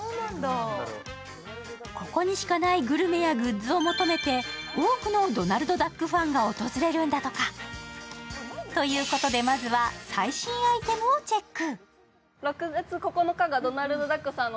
ここにはしかないグルメやグッズを求めて、多くのドナルドダックファンが訪れるんだとか。ということで、まずは最新アイテムをチェック。